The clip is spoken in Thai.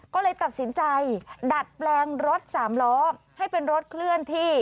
ก็เลยตัดสินใจดัดแปลงรถสามล้อให้เป็นรถเคลื่อนที่